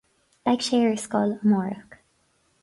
Beidh sé ar scoil amárach